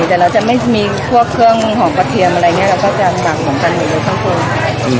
แต่เราจะไม่มีพวกเครื่องของกระเทียมอะไรเนี้ยเราก็จะหมับของกันหนึ่งเลยต้องคือ